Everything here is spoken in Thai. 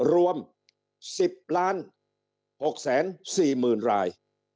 รวม๑๐๖๔๐๐๐ราย